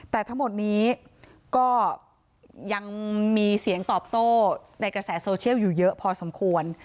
แต่ทั้งหมดนี้ก็ยังมีเสียงตอบโต้ในกระแสโซเชียลอยู่เยอะพอสมควร